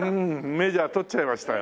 メジャー取っちゃいましたよ。